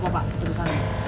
mau pak keputusan apa